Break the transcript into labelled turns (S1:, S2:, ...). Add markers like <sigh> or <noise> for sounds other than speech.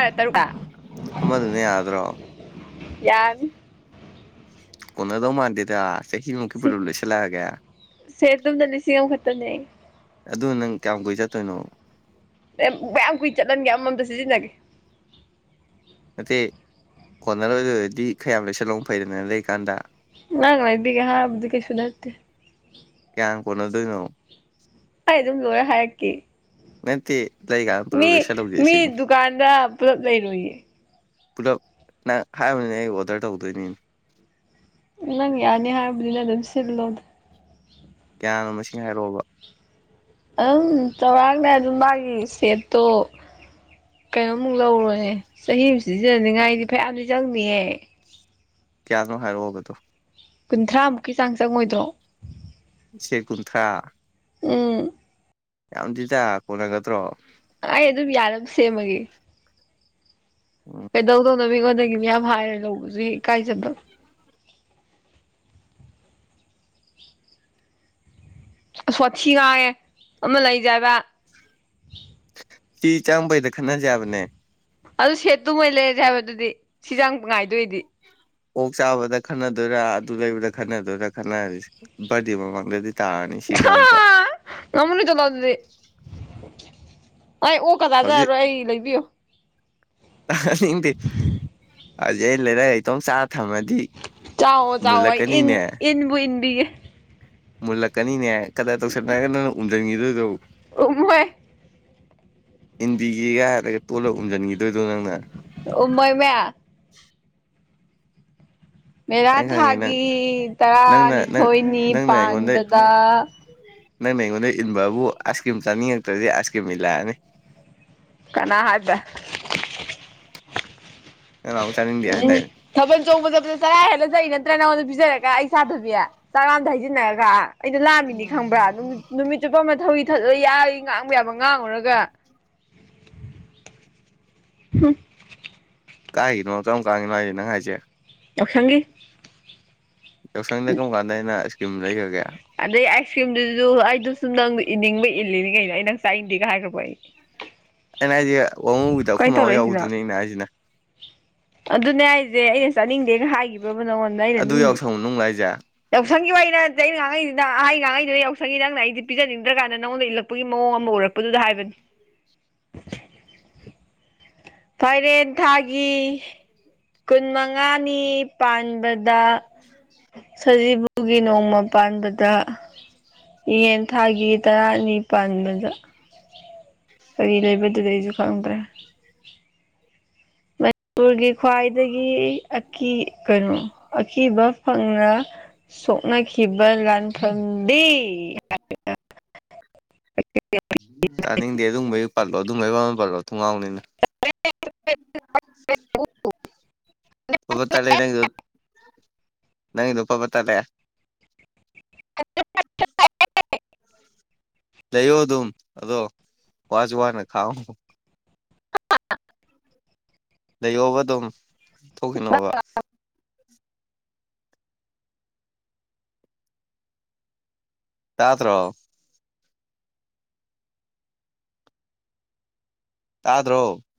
S1: ꯔ ꯇꯔꯨ
S2: ꯑꯃꯗꯨꯅ ꯌꯥꯗ꯭ꯔꯣ
S1: ꯌꯥꯔ
S2: ꯀꯣꯟꯅꯗꯧ ꯃꯥꯟꯗꯦꯗ ꯆꯍꯤꯃꯨꯛꯀꯤ ꯄ꯭ꯔꯂꯦꯝ ꯂꯣꯏꯁꯤꯜꯂꯛꯑꯒꯦ
S1: ꯁꯦ ꯇꯨꯝꯗ ꯂꯤꯁꯤꯡ ꯑꯃꯈꯛꯇꯅꯦ
S2: ꯑꯗꯨ ꯅꯪ ꯀꯌꯥꯝ ꯀꯨꯏ ꯆꯠꯇꯣꯏꯅꯣ
S1: ꯑꯦ ꯀꯌꯥꯝ ꯀꯨꯏ ꯆꯠꯍꯟꯒꯦ ꯑꯃꯃꯝꯗ ꯁꯤꯖꯤꯟꯅꯒꯦ
S2: ꯅꯠꯇꯦ ꯀꯣꯟꯅꯔ ꯑꯣꯏꯗ ꯑꯣꯏꯔꯗꯤ ꯈꯌꯥꯝ ꯂꯩꯁꯜꯂꯣꯡ ꯐꯩꯗꯅ ꯂꯩꯀꯥꯟꯗ
S1: ꯅꯪꯅ ꯂꯩꯕꯤꯒꯦ ꯍꯥꯕꯗꯤ ꯀꯩꯁꯨ ꯅꯠꯇꯦ
S2: ꯀꯌꯥꯅꯥ ꯀꯣꯟꯅꯗꯣꯏꯅꯣ
S1: ꯑꯩ ꯑꯗꯨꯝ ꯂꯣꯏꯔꯦ ꯍꯥꯏꯔꯛꯀꯦ
S2: ꯅꯠ ꯇꯦ꯫
S1: ꯃꯤ ꯃꯤ ꯗꯨꯀꯥꯟꯗ ꯄꯨꯂꯞ ꯂꯩꯔꯣꯏꯌꯦ
S2: ꯄꯨꯂꯞ ꯅꯪ ꯍꯥꯏꯕꯅꯤꯅꯦ ꯑꯩ ꯑꯣꯗꯔ ꯇꯧꯗꯣꯏꯅꯤ
S1: ꯅꯪ ꯌꯥꯅꯤ ꯍꯥꯏꯕꯗꯤꯅ ꯑꯗꯨꯝ ꯁꯤꯜꯂꯣꯗ
S2: ꯀꯌꯥꯅꯣ ꯃꯁꯤꯡ ꯍꯥꯏꯔꯛꯑꯣꯕ
S1: ꯑꯗꯨꯝ ꯆꯧꯔꯥꯛꯅ ꯑꯗꯨꯝ ꯃꯥꯒꯤ ꯁꯦꯠꯇꯣ ꯀꯩꯅꯣꯃꯨꯛ ꯂꯧꯔꯣꯅꯦ ꯆꯍꯤꯃꯨꯛ ꯁꯤꯖꯤꯟꯅꯅꯤꯡꯉꯥꯏꯗꯤ ꯐꯌꯥꯝꯗꯤ ꯆꯪꯅꯤꯌꯦꯦ
S2: ꯀꯌꯥꯅꯣ ꯍꯥꯏꯔꯛꯑꯣꯒꯗꯣ
S1: ꯀꯨꯟꯊ꯭ꯔꯥꯃꯨꯛꯀꯤ ꯆꯥꯡ ꯆꯪꯉꯣꯏꯗ꯭ꯔꯣ
S2: ꯆꯦ ꯀꯨꯟꯊ꯭ꯔꯥ
S1: ꯎꯝ
S2: ꯌꯥꯝꯗꯤ ꯇ ꯀꯣꯟꯅꯒꯗ꯭ꯔꯣ
S1: ꯑꯩ ꯑꯗꯨꯝ ꯌꯥꯔ ꯁꯦꯝꯃꯒꯦ
S2: ꯎꯝ
S1: ꯀꯩꯗꯧꯗꯧꯅ ꯃꯤꯉꯣꯟꯗꯒꯤ ꯃꯌꯥꯝ ꯍꯥꯏꯔꯦ ꯂꯧꯕꯁꯨ ꯏꯀꯥꯏꯖꯕ ꯁꯣꯊꯤ ꯉꯥꯏꯔꯦ ꯑꯃ ꯂꯩꯖꯕ
S2: ꯆ ꯆꯥꯡꯕꯩꯗ ꯈꯠꯅꯖ ꯍꯥꯏꯕꯅꯦ
S1: ꯑꯗꯨ ꯁꯦꯠꯇꯨ ꯃꯣꯏ ꯂꯩꯔꯁꯦ ꯍꯥꯏꯕꯗꯨꯗꯤ ꯁꯤ ꯆꯥꯡ ꯉꯥꯏꯗꯣꯏꯗꯤ
S2: ꯑꯣꯛ ꯆꯥꯕꯗ ꯈꯠꯟꯅꯗꯣꯏꯔꯥ ꯑꯗꯨ ꯂꯩꯕꯗ ꯈꯠꯟꯅꯗꯣꯏꯔꯥ ꯈꯟꯅꯔꯁꯤ ꯕꯥꯔꯗꯦ ꯃꯃꯥꯡꯗꯗꯤ ꯇꯥꯔꯅꯤ ꯁꯤ ꯆꯉꯛꯄꯥ
S1: ꯉꯃ ꯅ ꯆꯂ ꯑꯗꯨꯗꯤ ꯑꯩ ꯑꯣ ꯀ ꯇꯥꯖꯔꯣꯏ ꯑꯩ ꯂꯩꯕꯤꯌꯣ
S2: ꯅꯤꯡꯗꯦ ꯍꯧꯖꯤꯛ ꯑꯩꯅ ꯂꯩꯔꯛ ꯂꯩꯇꯣꯡ ꯆꯥꯔ ꯊꯝꯃꯗꯤ
S1: ꯆꯥꯎꯑꯣ ꯆꯥꯎꯑꯣ ꯑꯩ ꯏꯟ
S2: ꯃꯨꯜꯂꯛꯀꯅꯤꯅꯦ
S1: ꯏꯟꯕꯨ ꯏꯟꯕꯤꯒꯦ
S2: ꯃꯨꯜꯂꯛꯀꯅꯤꯅꯦ ꯀꯗꯥꯏ ꯇꯧꯁꯟꯅꯔꯒ ꯅꯪꯅ ꯎꯟꯁꯤꯟꯈꯤꯗꯣꯏꯗꯣ
S1: ꯎꯨꯝꯍꯣꯏ
S2: ꯏꯟꯕꯤꯒꯤꯒ ꯑꯗꯒꯤ ꯇꯣꯠꯂꯒ ꯎꯝꯁꯤꯟꯈꯤꯗꯣꯏꯗꯣ ꯅꯪꯅ
S1: ꯎꯃꫭꯏꯃꯦ ꯃꯦꯔꯥ
S2: ꯑꯩ ꯈꯪꯉꯦ ꯅꯪ
S1: ꯊꯥꯒꯤ
S2: ꯅꯪꯅ ꯅꯪ
S1: ꯇꯔꯥꯅꯤꯊꯣꯏꯅꯤ
S2: ꯅꯪꯅ ꯑꯩꯉꯣꯟꯗ
S1: ꯄꯥꯟꯕꯗ
S2: ꯅꯪꯅ ꯑꯩꯉꯣꯟꯗ ꯏꯟꯕꯕꯨ ꯑꯥꯏꯁ ꯀ꯭ꯔꯤꯝ ꯆꯥꯅꯤꯡꯉꯛꯇ꯭ꯔꯗꯤ ꯑꯥꯏꯁ ꯀ꯭ꯔꯤꯝ ꯏꯜꯂꯛꯑꯅꯤ
S1: ꯀꯅꯥ ꯍꯥꯏꯕ
S2: ꯅꯪ ꯅꯍꯥꯟꯃꯨꯛ ꯆꯥꯅꯤꯡꯗꯦ
S1: ꯎꯝ
S2: ꯍꯥꯏꯗꯥꯏꯅꯦ
S1: ꯊꯕ ꯑꯆꯣꯡꯕ ꯆꯠꯄꯗ ꯆꯔꯥ ꯍꯦꯜꯂ ꯆꯠꯏ ꯅꯠꯇ꯭ꯔ ꯅꯪꯉꯣꯟꯗ ꯄꯤꯖꯔꯒ ꯑꯩ ꯁꯥꯊꯕꯤ ꯆꯔꯥ ꯑꯝꯗ ꯍꯩꯖꯤꯟꯅꯔꯒ ꯑꯩꯗꯣ ꯂꯥꯝꯃꯤꯅꯤ ꯈꯪꯕ꯭ꯔꯥ ꯅꯨꯠ ꯅꯨꯃꯤꯠ ꯆꯨꯞꯄ ꯑꯃꯊꯧꯧꯔꯤ ꯊꯠꯂ ꯌꯥ ꯉꯥꯡꯕ ꯌꯥꯕ ꯉꯥꯡꯉꯨꯔꯒ ꯍ <unintelligible>
S2: ꯀꯥꯏꯒꯤꯅꯣ ꯆꯔꯝ ꯀꯥꯟꯒꯤꯅꯣ ꯍꯥꯏꯁꯦ ꯅꯪ ꯍꯥꯏꯁꯦ
S1: ꯌꯥꯎꯁꯪꯒꯤ
S2: ꯌꯥꯎꯁꯪꯗ ꯀꯔꯝ ꯀꯥꯟꯗ ꯑꯩꯅ ꯏꯁꯀꯤꯝ ꯂꯩꯈ꯭ꯔꯒꯦ
S1: ꯑꯗꯩ ꯑꯥꯏꯁ ꯀ꯭ꯔꯤꯝꯗꯨꯁꯨ ꯑꯩꯗ ꯁꯨꯝ ꯅꯪ ꯏꯅꯤꯡꯕ ꯏꯜꯂꯤꯅꯤ ꯀꯩꯅꯣ ꯑꯩ ꯅꯪ ꯆꯥꯏ ꯏꯅꯤꯡꯗꯦꯒ ꯍꯥꯏꯈ꯭ꯔꯕꯣ ꯑꯩ
S2: ꯑꯩꯅ ꯑꯩꯁꯦ ꯋꯥꯃꯨ ꯋꯤꯗ
S1: ꯀꯃꯥꯏꯅ
S2: ꯈꯨꯃꯥꯎ
S1: ꯇꯧꯔꯛꯏꯁꯤꯅꯣ
S2: ꯌꯥꯎꯗꯨꯅꯤꯅ ꯍꯥꯏꯁꯤꯅ
S1: ꯑꯗꯨꯅꯦ ꯑꯩꯁꯦ ꯑꯩꯅ ꯆꯠꯅꯤꯡꯗꯦꯒ ꯍꯥꯏꯈꯤꯕ꯭ꯔꯕ ꯅꯉꯣꯟꯗ ꯑꯩꯅ
S2: ꯑꯗꯨ
S1: ꯑꯗꯨꯝ
S2: ꯌꯥꯎꯁꯪ ꯃꯅꯨꯡꯂꯣ ꯍꯥꯏꯁꯦ
S1: ꯌꯥꯎꯁꯪꯒꯤ ꯑꯣꯏꯅ ꯆꯍꯤ ꯉꯉꯥꯡꯉꯩꯗꯨꯅ ꯑꯍꯩ ꯉꯥꯡꯉꯩꯗꯨꯅ ꯌꯥꯎꯁꯪꯒꯤ ꯅꯪꯅ ꯑꯩꯗꯤ ꯄꯤꯅꯤꯡꯗ꯭ꯔ ꯀꯥꯟꯗ ꯅꯪꯉꯗ ꯏꯜꯂꯛꯄꯒꯤ ꯃꯑꯣꯡ ꯑꯃ ꯎꯔꯛꯄ ꯄꯨꯗꯨꯗ ꯍꯥꯏꯕꯅꯤ ꯐꯥꯏꯔꯦꯟ ꯊꯥꯒꯤ ꯀꯨꯟ ꯃꯉꯥꯅꯤ ꯄꯥꯟꯕꯗ ꯁꯖꯤꯕꯨꯒꯤ ꯅꯣꯡꯃ ꯄꯥꯟꯕꯗ ꯌꯦꯟ ꯊꯥꯒꯤ ꯇꯔꯥꯅꯤ ꯄꯥꯟꯕꯗ ꯀꯔꯤ ꯂꯩꯕꯗꯨꯗꯩꯁꯨ ꯈꯪꯗ꯭ꯔꯦ ꯃꯅꯤꯄꯨꯔꯒꯤ ꯈ꯭ꯋꯥꯏꯗꯒꯤ ꯑꯀꯤ ꯀꯩꯅꯣ ꯑꯀꯤꯕ ꯐꯪꯅ ꯁꯣꯛꯅꯈꯤꯕ ꯂꯥꯟꯐꯝꯗꯤ ꯑ <unintelligible>
S2: ꯇꯥꯅꯤꯡꯗꯦ ꯑꯗꯨꯕꯒꯤ ꯄꯜꯂꯣ ꯑꯗꯨꯝꯕꯒꯤ ꯃ ꯑꯃ ꯄꯜꯂꯣ ꯊꯨꯡꯒꯥꯎꯅꯤꯅ
S1: <unintelligible>
S2: ꯑꯣ ꯇꯥ ꯅꯪ ꯅꯪꯗꯨ ꯄꯥꯕꯠꯇꯔꯦ
S1: <unintelligible>
S2: ꯂꯩꯏꯌꫭ ꯑꯗꯨꯝ ꯑꯗꫭ ꯋꯥꯖꯨ ꯋꯥꯅ ꯈꯥꯡꯑꯉꫭ ꯂꯩꯌꯣꯕ ꯑꯗꯨꯝ ꯊꯣꯛꯈꯤꯅꯣꯕ
S1: ꯑ <unintelligible>
S2: ꯇꯥꯗ꯭ꯔꯣ ꯇꯥꯗ꯭ꯔꯣ